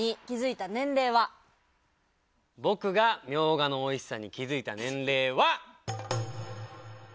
僕がみょうがのおいしさに気付いた年齢は。